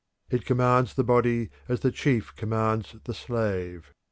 It commands the body as the chief commands the slave.